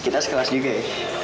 kita sekalas yuk eh